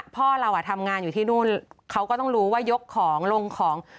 พ่อเราทำงานอยู่ที่นู่นเขาก็ต้องรู้ว่ายกของลงของ